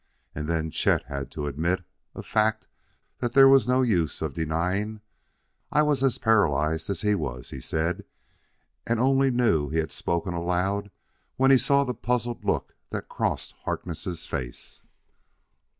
And then Chet had to admit a fact there was no use of denying: "I was as paralyzed as he was," he said, and only knew he had spoken aloud when he saw the puzzled look that crossed Harkness' face.